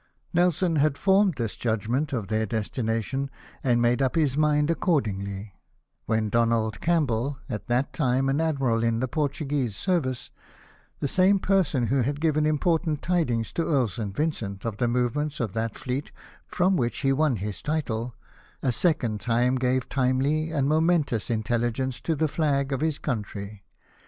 Nelson had formed his judgment of their destina tion, and made up his mind accordingly, when Donald Campbell, at that time an Admiral in the Portuguese service, the same person who had given important tidings to Earl St. Vincent of the movements of that fleet from which he won his title, a second time gave timely and momentous intelligence to the flag of his country.